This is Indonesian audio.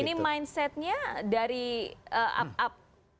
ini mindset nya dari up up